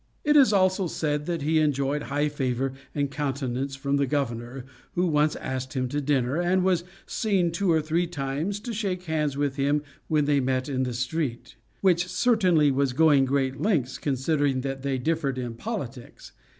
It is also said, that he enjoyed high favor and countenance from the governor, who once asked him to dinner, and was seen two or three times to shake hands with him when they met in the street; which certainly was going great lengths, considering that they differed in politics.